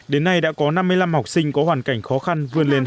đến nay đã có năm mươi năm học sinh có hoàn cảnh khó khăn